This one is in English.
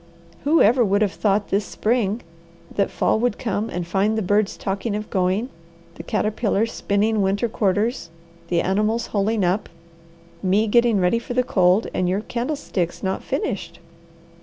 "Whoever would have thought this spring that fall would come and find the birds talking of going, the caterpillars spinning winter quarters, the animals holing up, me getting ready for the cold, and your candlesticks not finished.